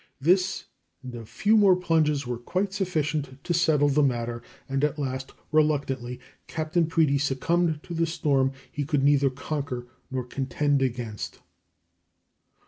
This and a few more plunges were quite sufficient to settle the matter, and at last, reluctantly, Captain Preedy succumbed to the storm he could neither conquer nor contend against.